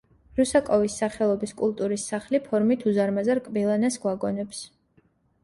რუსაკოვის სახელობის კულტურის სახლი ფორმით უზარმაზარ კბილანას გვაგონებს.